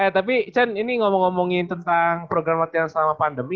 tapi cen ini ngomong ngomongin tentang program latihan selama pandemi